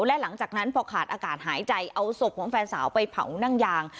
และหลังจากนั้นพอขาดอากาศหายใจเอาศพของแฟนสาวไปเผานั่งยาง